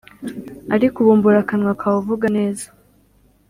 Ariko ubumbura akanwa kawe uvuga nezaa